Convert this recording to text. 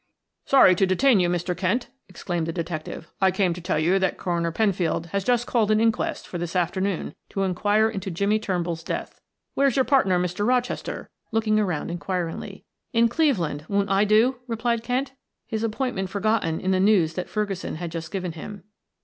"Sorry to detain you, Mr. Kent," exclaimed the detective. "I came to tell you that Coroner Penfield has just called an inquest for this afternoon to inquire into Jimmie Turnbull's death. Where's your partner, Mr. Rochester?" looking around inquiringly. "In Cleveland. Won't I do?" replied Kent, his appointment forgotten in the news that Ferguson had just given him.